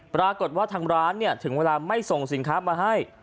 ปรากฏว่าทางร้านถึงเวลาไม่ส่งสินค้ามาให้